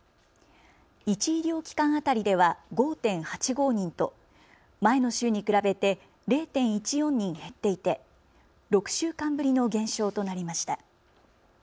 １医療機関当たりでは５．８５人と前の週に比べて０．１４人減っていて６週間ぶりの減少となりました。